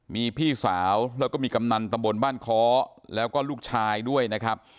มีพี่สาวแล้วก็มีกำนันตำบลบ้านค้อแล้วก็ลูกชายด้วยนะครับ